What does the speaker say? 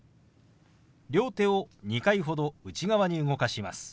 両手を２回ほど内側に動かします。